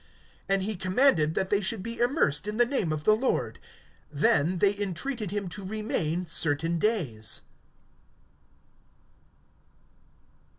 (48)And he commanded that they should be immersed in the name of the Lord. Then they entreated him to remain certain days.